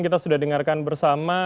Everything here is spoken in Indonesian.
kita sudah dengarkan bersama